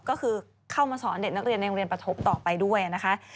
ก็คือเข้ามาสอนเด็กนักเรียนในโรงเรียนประทบต่อไปด้วยนะคะ